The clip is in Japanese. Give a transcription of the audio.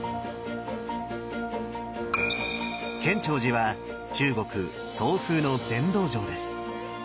建長寺は中国・宋風の禅道場です。